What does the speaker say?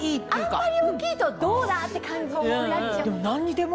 あんまり大きいとどうだ！って感じになっちゃう。